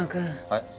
はい？